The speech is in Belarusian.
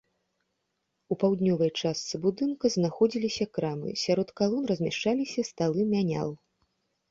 У паўднёвай частцы будынка знаходзіліся крамы, сярод калон размяшчаліся сталы мянял.